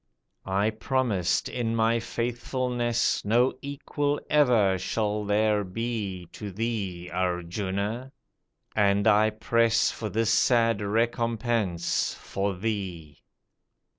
I promised in my faithfulness No equal ever shall there be To thee, Arjuna, and I press For this sad recompense for thee."